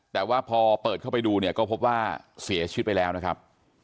แต่ว่าพอเปิดเข้าไปดูเนี่ยก็พบว่าเสียชีวิตไปแล้วนะครับ